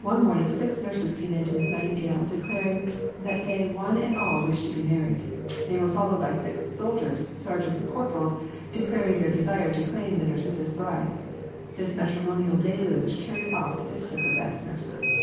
One morning six nurses came in to Miss Nightingale, declaring that they one and all wished to be married. They were followed by six soldiers sergeants and corporals declaring their desire to claim the nurses as brides. This matrimonial deluge carried off six of her best nurses.